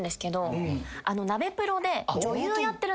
ナベプロで。